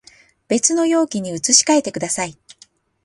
別の容器に移し替えてください